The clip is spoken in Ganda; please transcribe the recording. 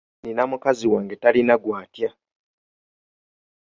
Nnina mukazi wange talina gw'atya.